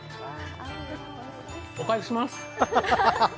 お返しします。